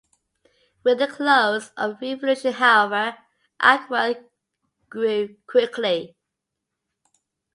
With the close of the Revolution, however, Acworth grew quickly.